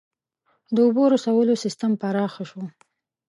• د اوبو رسولو سیستم پراخ شو.